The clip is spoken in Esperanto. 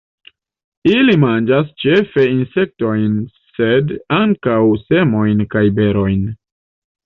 Ili manĝas ĉefe insektojn, sed ankaŭ semojn kaj berojn.